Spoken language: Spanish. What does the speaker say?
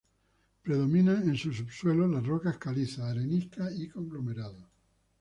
Predominan en su subsuelo las rocas calizas, areniscas y conglomerados.